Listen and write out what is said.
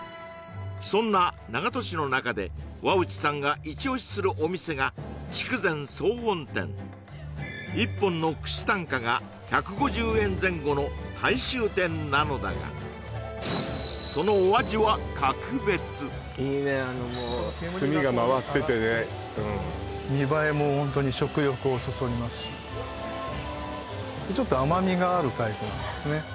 そんな長門市の中で和内さんがイチオシするお店が一本の串単価が１５０円前後の大衆店なのだがそのいいねあのもう炭が回っててね見栄えもホントに食欲をそそりますしちょっと甘みがあるタイプなんですね